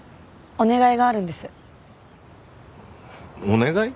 お願い？